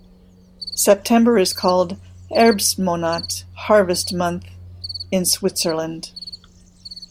September is called "Herbstmonat", harvest month, in Switzerland.